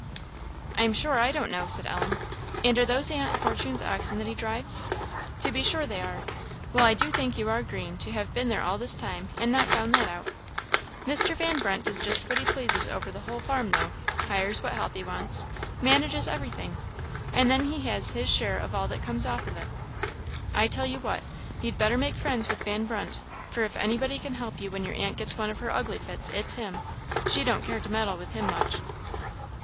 "I am sure I don't know," said Ellen. "And are those Aunt Fortune's oxen that he drives?" "To be sure they are. Well, I do think you are green, to have been there all this time, and not found that out. Mr. Van Brunt does just what he pleases over the whole farm, though; hires what help he wants, manages everything; and then he has his share of all that comes off it. I tell you what you'd better make friends with Van Brunt, for if anybody can help you when your aunt gets one of her ugly fits, it's him; she don't care to meddle with him much."